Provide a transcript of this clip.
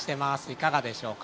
いかがでしょうか？